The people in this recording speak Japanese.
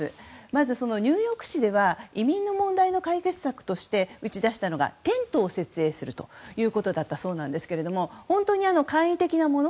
まずニューヨーク市では移民の問題の解決策として打ち出したのがテントを設営するということだったそうなんですけど本当に簡易的なもの